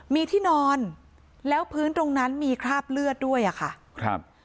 มีที่นอนแล้วพื้นตรงนั้นมีคราบเลือดด้วยอ่ะค่ะครับ